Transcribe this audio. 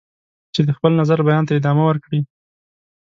چې د خپل نظر بیان ته ادامه ورکړي.